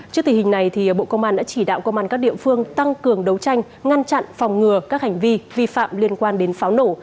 trước tình hình này bộ công an đã chỉ đạo công an các địa phương tăng cường đấu tranh ngăn chặn phòng ngừa các hành vi vi phạm liên quan đến pháo nổ